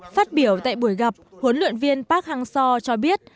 phát biểu tại buổi gặp huấn luyện viên park hang seo cho biết